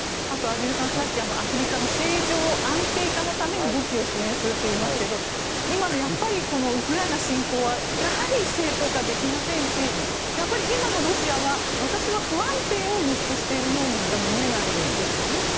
畔蒜さん、さっきアフリカの政情安定化のために武器を支援するといいますが今のこのウクライナ侵攻はやはり正当化できませんし今のロシアは私は不安定を輸出しているようにしか見えないんですよね。